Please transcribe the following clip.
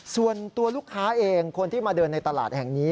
ส่วนตัวลูกค้าเองคนที่มาเดินในตลาดแห่งนี้